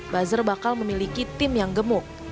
buzzer bakal memiliki tim yang gemuk